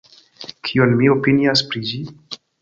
Kion mi opinias pri ĝi?